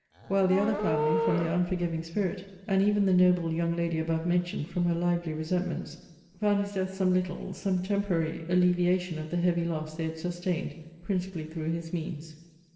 While the other family, from their unforgiving spirit, and even the noble young lady above mentioned, from her lively resentments, found his death some little, some temporary, alleviation of the heavy loss they had sustained, principally through his means.